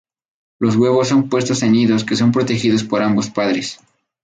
Los huevos son puestos en nidos que son protegidos por ambos padres.